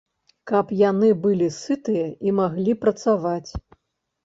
Каб яны былі сытыя і маглі працаваць.